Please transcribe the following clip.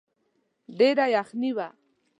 ډېره يخني وه.